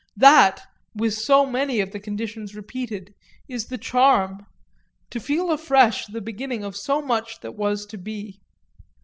That, with so many of the conditions repeated, is the charm to feel afresh the beginning of so much that was to be.